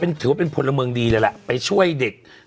ถือว่าเป็นพลเมืองดีเลยแหละไปช่วยเด็ก